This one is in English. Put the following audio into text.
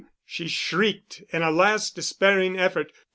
she shrieked in a last despairing effort.